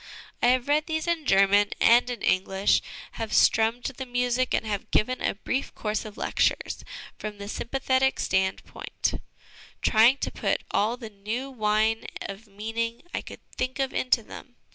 I have read these in German and in English, have strummed the music, and have given a brief course of lectures from the sympathetic stand point, trying to put all the new wine of meaning I could think of into them.